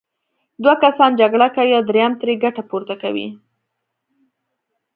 دوه کسان جګړه کوي او دریم ترې ګټه پورته کوي.